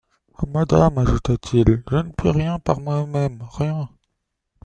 Madame, ajouta-t-il, je ne puis rien par moi-même, rien!